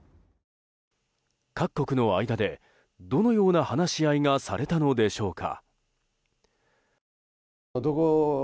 各国の間でどのような話し合いがされたのでしょうか。